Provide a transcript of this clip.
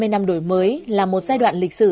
hai mươi năm đổi mới là một giai đoạn lịch sử